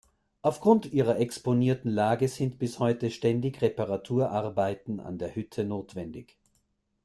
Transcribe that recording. Aufgrund ihrer exponierten Lage sind bis heute ständig Reparaturarbeiten an der Hütte notwendig.